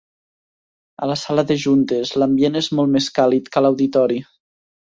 A la sala de juntes l'ambient és molt més càlid que a l'Auditori.